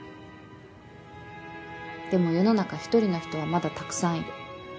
でも世の中独りな人はまだたくさんいる。